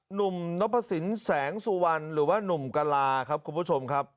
หนุ่มนพสินแสงสุวรรณหรือว่าหนุ่มกะลาครับคุณผู้ชมครับ